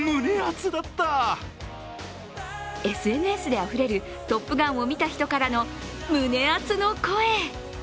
ＳＮＳであふれる「トップガン」を見た人からの胸熱の声！